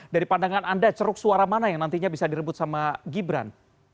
dari pandangan anda ceruk suara mana yang nantinya bisa direbut sama gibran